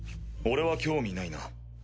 俺は興味ないな。